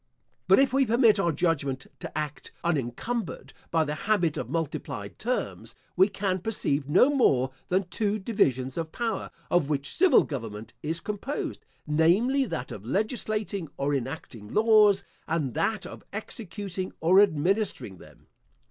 But if we permit our judgment to act unincumbered by the habit of multiplied terms, we can perceive no more than two divisions of power, of which civil government is composed, namely, that of legislating or enacting laws, and that of executing or administering them.